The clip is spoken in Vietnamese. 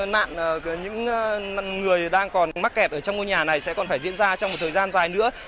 nạn những người đang còn mắc kẹt ở trong ngôi nhà này sẽ còn phải diễn ra trong một thời gian dài nữa